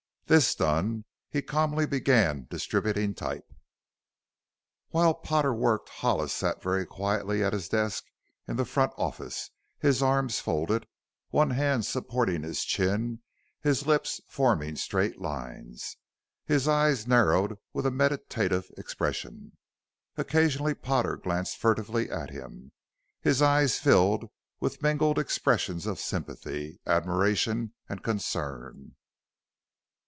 This done he calmly began distributing type. While Potter worked Hollis sat very quietly at his desk in the front office, his arms folded, one hand supporting his chin, his lips forming straight lines, his eyes narrowed with a meditative expression. Occasionally Potter glanced furtively at him, his eyes filled with mingled expressions of sympathy, admiration, and concern.